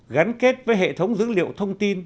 gắn kết với hệ thống dữ liệu thông tin